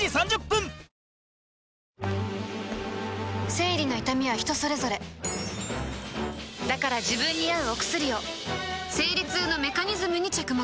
生理の痛みは人それぞれだから自分に合うお薬を生理痛のメカニズムに着目